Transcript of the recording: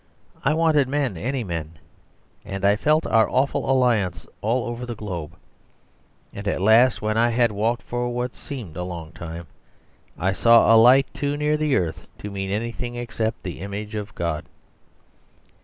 I wanted men any men; and I felt our awful alliance over all the globe. And at last, when I had walked for what seemed a long time, I saw a light too near the earth to mean anything except the image of God.